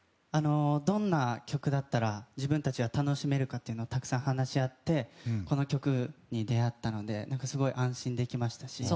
どんな曲だったら自分たちが楽しめるかということをたくさん話し合ってこの曲に出会ったのですごい安心できましたし。